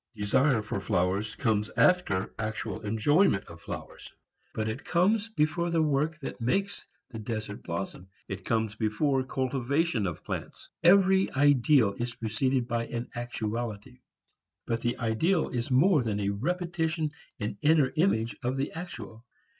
Desire for flowers comes after actual enjoyment of flowers. But it comes before the work that makes the desert blossom, it comes before cultivation of plants. Every ideal is preceded by an actuality; but the ideal is more than a repetition in inner image of the actual.